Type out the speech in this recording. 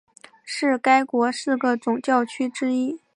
是该国四个总教区之一。